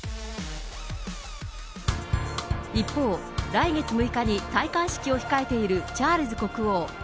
一方、来月６日に戴冠式を控えているチャールズ国王。